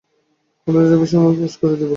কলেজে যাইবার সময় আমি পোস্ট করিয়া দিব।